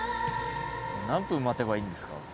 何分待てばいいんですか？